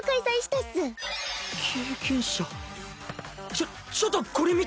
ちょちょっとこれ見て。